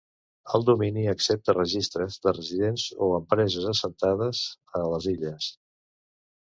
El domini accepta registres de residents o empreses assentades a les illes.